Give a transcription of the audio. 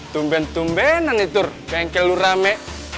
tumben tumbenan itu bengkel lu rame